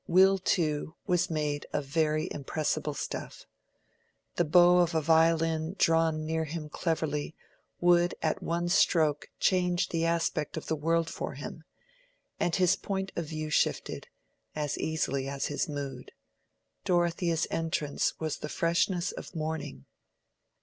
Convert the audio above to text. Will, too, was made of very impressible stuff. The bow of a violin drawn near him cleverly, would at one stroke change the aspect of the world for him, and his point of view shifted as easily as his mood. Dorothea's entrance was the freshness of morning.